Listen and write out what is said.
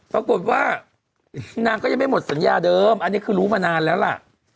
ปรากฏว่านางก็ยังไม่หมดสัญญาเดิมอันนี้คือรู้มานานแล้วล่ะ